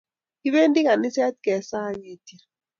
Kipendi kaniset kesa ak ketyen